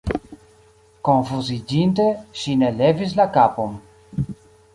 Konfuziĝinte, ŝi ne levis la kapon.